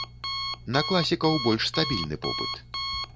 На класікаў больш стабільны попыт.